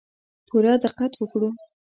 پوره دقت وکړو.